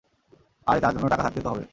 আরে, তার জন্য টাকা থাকতে তো হবে?